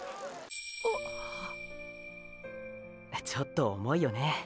あちょっと重いよね。